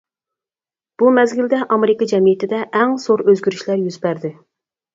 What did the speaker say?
بۇ مەزگىلىدە ئامېرىكا جەمئىيىتىدە ئەڭ زور ئۆزگىرىشلەر يۈز بەردى.